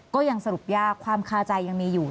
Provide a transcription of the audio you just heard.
ก็ยังสรุปยากความคาใจยังมีอยู่